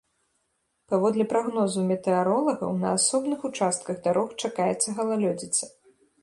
Паводле прагнозу метэаролагаў, на асобных участках дарог чакаецца галалёдзіца.